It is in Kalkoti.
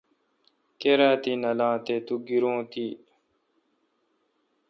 کیر تی نالان تے تو گیرو تی۔